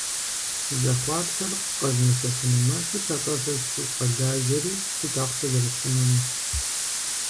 Сызэхъуапсэр къэзмыщэхунумэ, сыт, атӏэ, сэ сыщӏэлажьэри, сыт ахъшэ зэрысщӏынури?